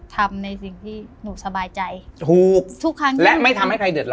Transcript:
ทำในสิ่งที่หนูสบายใจถูกทุกครั้งและไม่ทำให้ใครเดือดร้อ